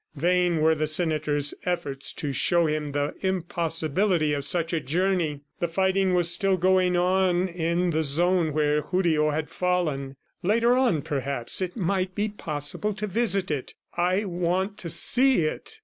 Vain were the senator's efforts to show him the impossibility of such a journey. The fighting was still going on in the zone where Julio had fallen. Later on, perhaps, it might be possible to visit it. "I want to see it!"